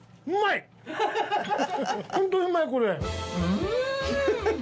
うん！